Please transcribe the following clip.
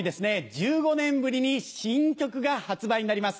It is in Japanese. １５年ぶりに新曲が発売になります。